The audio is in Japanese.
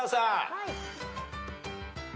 はい。